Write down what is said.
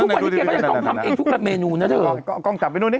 กล้องทำไปนู้นน่ะเถอะกล้องดับไปนู้นนี่